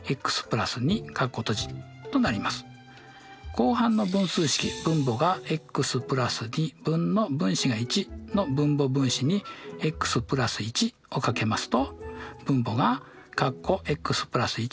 後半の分数式分母がｘ＋２分の分子が１の分母分子にｘ＋１をかけますと。